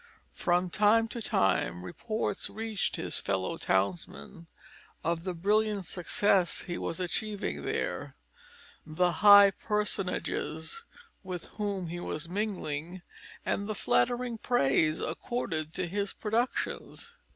From time to time reports reached his fellow townsmen of the brilliant success he was achieving there, the high personages with whom he was mingling, and the flattering praise accorded to his productions.